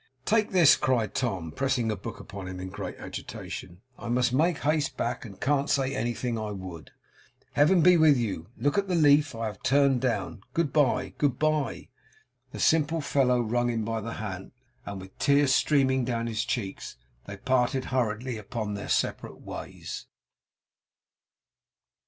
'Take this!' cried Tom, pressing a book upon him in great agitation. 'I must make haste back, and can't say anything I would. Heaven be with you. Look at the leaf I have turned down. Good bye, good bye!' The simple fellow wrung him by the hand, with tears stealing down his cheeks; and they parted hurriedly upon their separate ways.